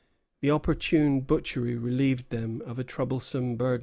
The opportune butchery relieved them of a troublesome burden.